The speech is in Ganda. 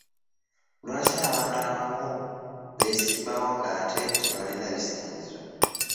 Lwaki abantu abamu beesimbawo ate nga tebalina bisaanyizo.